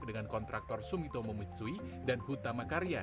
dengan kontraktor sumitomo mitsui dan hutama karya